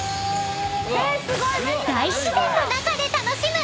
［大自然の中で楽しむ］